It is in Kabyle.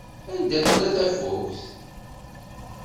Anda tella tafukt?